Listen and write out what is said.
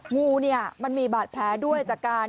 เงินิยมีบาดแพร่ด้วยจากการ